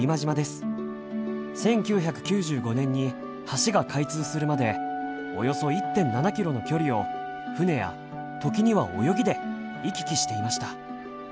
１９９５年に橋が開通するまでおよそ１．７キロの距離を船や時には泳ぎで行き来していました。